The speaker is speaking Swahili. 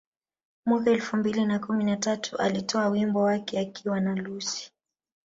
Mwaka elfu mbili na kumi na tatu alitoa wimbo wake akiwa na Lucci